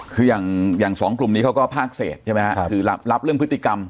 คืออย่างสองกลุ่มนี้เขาก็ภาคเศษใช่ไหมฮะคือรับเรื่องพฤติกรรม